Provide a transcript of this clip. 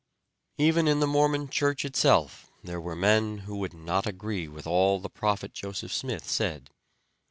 Even in the Mormon church itself there were men who would not agree with all the prophet Joseph Smith said.